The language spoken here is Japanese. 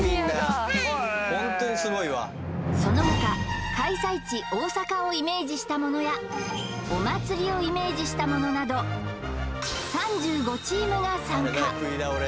そのほか開催地・大阪をイメージしたものやお祭りをイメージしたものなどが参加